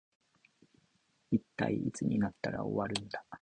一体いつになったら終わるんだ